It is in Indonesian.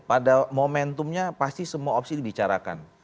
pada momentumnya pasti semua opsi dibicarakan